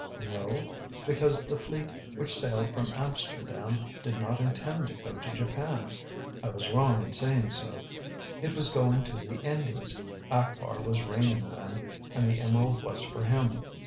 "No. Because the fleet which sailed from Amsterdam did not intend to go to Japan. I was wrong in saying so. It was going to the Indies. Akbar was reigning then, and the emerald was for him.